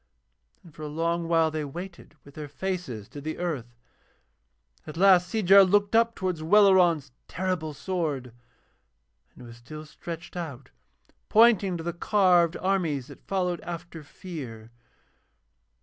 And for a long while they waited with their faces to the earth. At last Seejar looked up towards Welleran's terrible sword, and it was still stretched out pointing to the carved armies that followed after Fear.